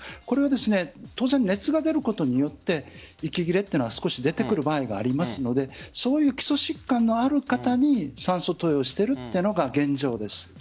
これは当然熱が出ることによって息切れは少し出てくる場合がありますのでそういう基礎疾患のある方に酸素投与をしているのが現状です。